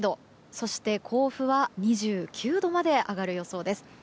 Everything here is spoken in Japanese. そして甲府は２９度まで上がる予想です。